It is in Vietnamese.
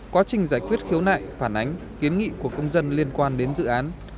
quá trình giải quyết khiếu nại phản ánh kiến nghị của công dân liên quan đến dự án